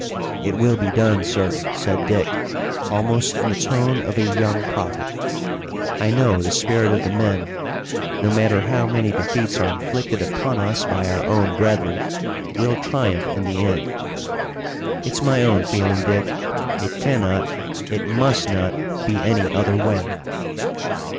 "It will be done, sir," said Dick, almost in the tone of a young prophet. "I know the spirit of the men. No matter how many defeats are inflicted upon us by our own brethren we'll triumph in the end." "It's my own feeling, Dick. It cannot, it must not be any other way!"